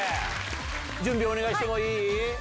準備お願いしてもいい？